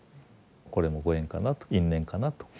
これもご縁かなと因縁かなと。